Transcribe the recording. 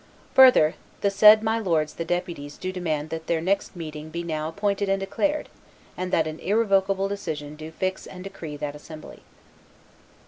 Further, the said my lords the deputies do demand that their next meeting be now appointed and declared, and that an irrevocable decision do fix and decree that assembly."